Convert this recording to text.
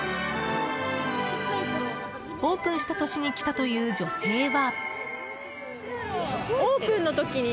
オープンした年に来たという女性は。